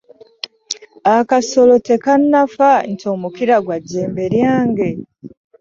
Akasolo tekanafa nti omukira gwa Jjembe lyange .